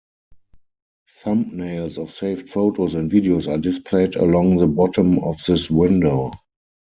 Thumbnails of saved photos and videos are displayed along the bottom of this window.